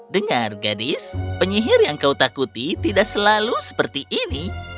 dengar gadis penyihir yang kau takuti tidak selalu seperti ini